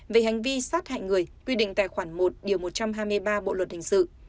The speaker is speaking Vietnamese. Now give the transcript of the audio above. về hành vi sát hại người quy định tài khoản một điều một trăm hai mươi ba bộ luật hình sự